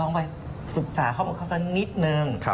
ลองไปศึกษาเข้ามาเขาสักนิดหนึ่ง